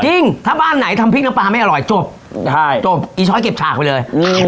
จริงถ้าบ้านไหนทำพริกน้ำปลาไม่อร่อยจบใช่จบอีช้อยเก็บฉากไปเลย